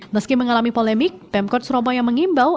meski mengalami polemik pemkot surabaya mengimbau